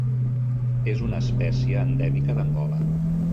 És una espècie endèmica d'Angola.